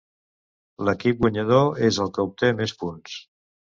L'equip guanyador és el que obté més punts.